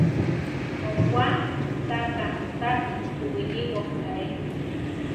Okwá ta ká tasi suwinibo aré.